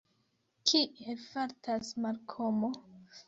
Kiel fartas Malkomo?